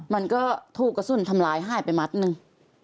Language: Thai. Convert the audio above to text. มันก็ถูกกระสุนทำร้ายหายไปมัดหนึ่ง